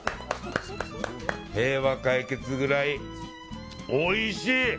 平和解決ぐらいおいしい！